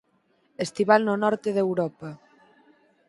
Estival no norte de Europa.